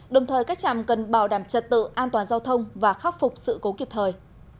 đồng thời các trạm cần bảo đảm trật tự an toàn giao thông và khắc phục sự cố kịp thời